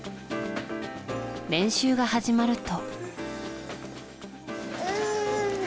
練習が始まると。